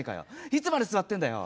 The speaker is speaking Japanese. いつまで座ってんだよ。